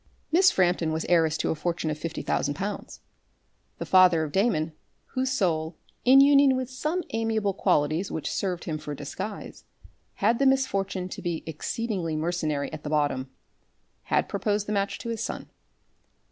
Miss Frampton was heiress to a fortune of fifty thousand pounds. The father of Damon, whose soul, in union with some amiable qualities, which served him for a disguise, had the misfortune to be exceedingly mercenary at the bottom, had proposed the match to his son.